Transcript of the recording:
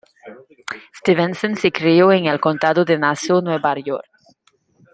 Stevenson se crio en el Condado de Nassau, Nueva York.